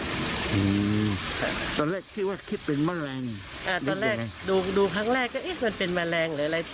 ค่ะตอนแรกภิกแค่คิดเป็นแมลงครับตอนแรกดูครั้งแรกก็มันเป็นแมลงอะไรอะไร